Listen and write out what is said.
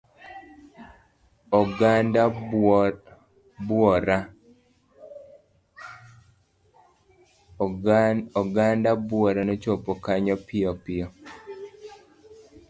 Oganda buora nochopo kanyo piyo piyo.